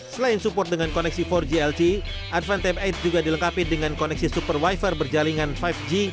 selain support dengan koneksi empat g lte advan tep delapan juga dilengkapi dengan koneksi super wi fi berjalingan lima g